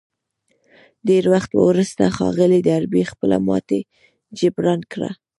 ډېر وخت وروسته ښاغلي ډاربي خپله ماتې جبران کړه.